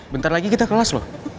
bentar lagi kita kelas loh